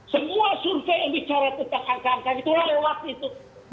semua survei yang bicara tentang angka angka itu lewat itu